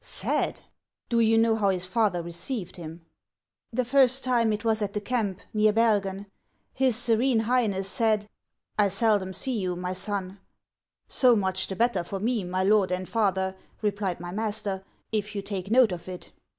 " Sad ! Do you know how his father received him ?"" The first time, it was at the camp, near Bergen. His Serene Highness said, ' I seldom see you, my son.' ' So much the better for me, my lord and father,' re plied my master, 'if you take note of it.'